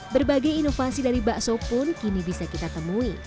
berbagai inovasi dari bakso pun kini bisa kita temui